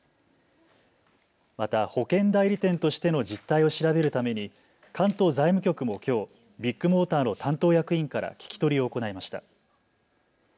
また保険代理店としての実態を調べるために関東財務局もきょうビッグモーターの担当役員から聞き取りを行いました。